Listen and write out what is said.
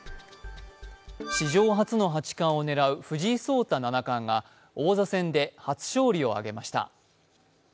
史上初の八冠を狙う藤井聡太七冠が王座戦で初勝利をあげました。